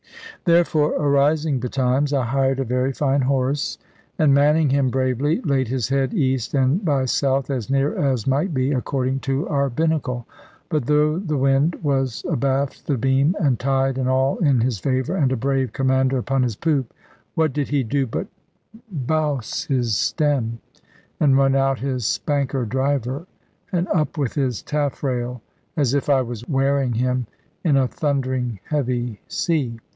Therefore, arising betimes, I hired a very fine horse, and, manning him bravely, laid his head east and by south, as near as might be, according to our binnacle. But though the wind was abaft the beam, and tide and all in his favour, and a brave commander upon his poop, what did he do but bouse his stem, and run out his spanker driver, and up with his taffrail, as if I was wearing him in a thundering heavy sea.